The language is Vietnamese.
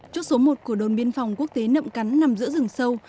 chốt số một của đồn biên phòng quốc tế nậm cắn nằm giữa rừng sâu